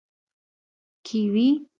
🥝 کیوي